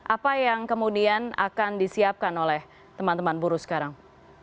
apa yang kemudian akan disiapkan oleh teman teman buruh sekarang